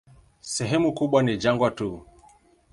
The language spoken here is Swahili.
Sehemu kubwa ni jangwa tu.